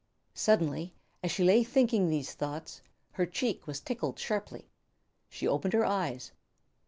Suddenly, as she lay thinking these thoughts, her cheek was tickled sharply. She opened her eyes.